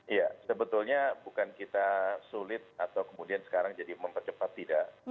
iya sebetulnya bukan kita sulit atau kemudian sekarang jadi mempercepat tidak